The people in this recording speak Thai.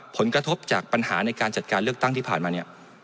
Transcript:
ผลกระทบจากปัญหาในการจัดการเลือกตั้งที่ผ่านมาเนี่ย